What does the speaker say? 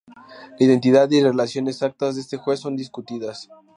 La identidad y relación exactas de este juez son discutidas.